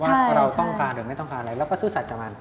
ว่าเราต้องการหรือไม่ต้องการอะไรแล้วก็ซื่อสัจจำัน